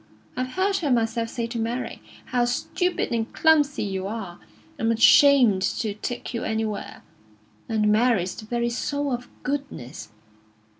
I've heard her myself say to Mary: 'How stupid and clumsy you are! I'm ashamed to take you anywhere.' And Mary's the very soul of goodness.